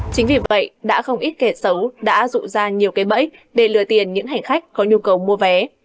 chính vì vậy đã không ít kẻ xấu đã rụ ra nhiều cái bẫy để lừa tiền những hành khách có nhu cầu mua vé